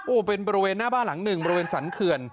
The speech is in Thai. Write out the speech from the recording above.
โอ้วเป็นแบบร่วมหน้าบ้านหนึ่งแบบร่วมศรรรคเรือน